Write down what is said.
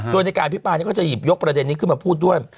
โดยในการอภิปรายนี้ก็จะหยิบยกประเด็นนี้ขึ้นมาพูดด้วย